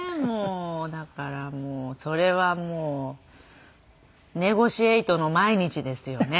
だからもうそれはもうネゴシエイトの毎日ですよね。